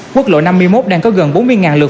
quốc lộ năm mươi một đang có gần bốn mươi lực